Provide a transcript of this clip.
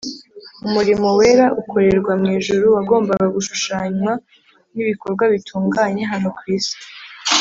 umurimo wera ukorerwa mu ijuru wagombaga gushushanywa n’ibikorwa bitunganye hano ku isi